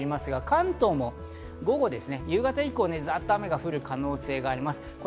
関東も夕方以降、ざっと雨が降る可能性があります。